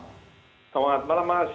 selamat malam mas